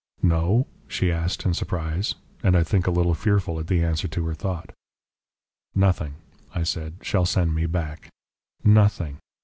"'No?' she asked, in surprise, and I think a little fearful at the answer to her thought. "'Nothing,' I said, 'shall send me back. Nothing!